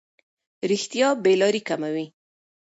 رښتیا بې لارۍ کموي.